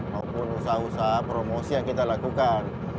maupun usaha usaha promosi yang kita lakukan